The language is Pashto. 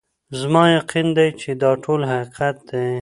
زما یقین دی چي دا ټوله حقیقت دی